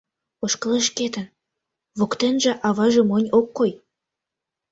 Ошкылеш шкетын, воктенже аваже монь ок кой.